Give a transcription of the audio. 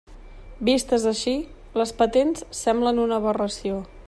Vistes així, les patents semblen una aberració.